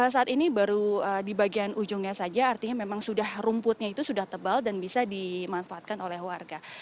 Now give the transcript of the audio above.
saat ini baru di bagian ujungnya saja artinya memang sudah rumputnya itu sudah tebal dan bisa dimanfaatkan oleh warga